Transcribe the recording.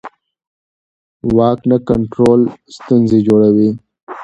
د واک نه کنټرول ستونزې جوړوي